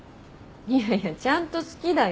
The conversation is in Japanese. いやいやちゃんと好きだよ。